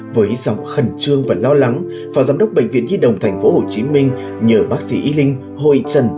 với dòng khẩn trương và lo lắng phó giám đốc bệnh viện nhi đồng tp hcm nhờ bác sĩ y linh hồi trần